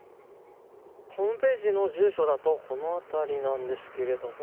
ホームページの住所だとこの辺りなんですけども。